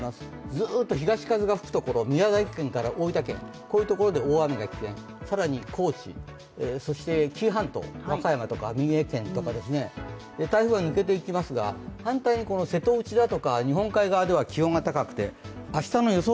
ずっと東風が吹くところ宮崎県から大分県で大雨が危険、更に高知、そして紀伊半島、和歌山とか三重県ですね、台風が抜けていきますが、反対の瀬戸内だとか日本海側では気温が高くて、明日の予想